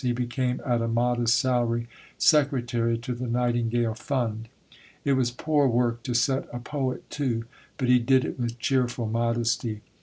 He became, at a modest salary, secretary to the Nightingale Fund. It was poor work to set a poet to, but he did it with cheerful modesty.